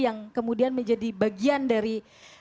yang kemudian menjadi bagian dari